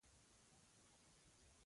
نو نور هم ډېر وړاندې ولاړ لېرې شو.